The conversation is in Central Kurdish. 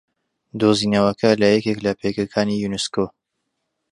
دوزینەوەکە لە یەکێک لە پێگەکانی یوونسکۆ